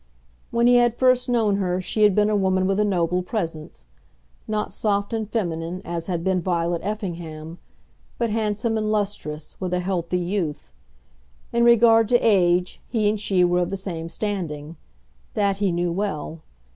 When he had first known her she had been a woman with a noble presence not soft and feminine as had been Violet Effingham, but handsome and lustrous, with a healthy youth. In regard to age he and she were of the same standing. That he knew well.